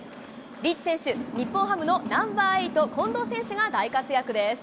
リーチ選手、日本ハムのナンバーエイト、近藤選手が大活躍です。